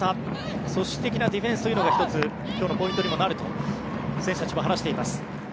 組織的なディフェンスというのが１つ、今日のポイントになるとも選手たちも話しています。